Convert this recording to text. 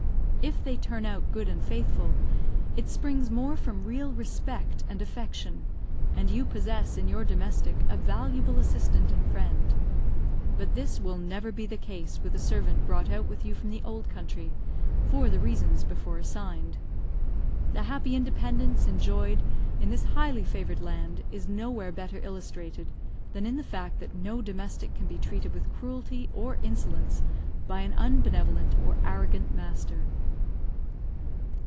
If they turn out good and faithful, it springs more from real respect and affection, and you possess in your domestic a valuable assistant and friend; but this will never be the case with a servant brought out with you from the old country, for the reasons before assigned. The happy independence enjoyed in this highly favoured land is nowhere better illustrated than in the fact that no domestic can be treated with cruelty or insolence by an unbenevolent or arrogant master.